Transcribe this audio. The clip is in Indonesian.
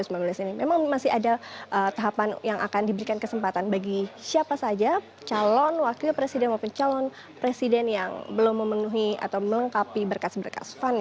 memang masih ada tahapan yang akan diberikan kesempatan bagi siapa saja calon wakil presiden maupun calon presiden yang belum memenuhi atau melengkapi berkas berkas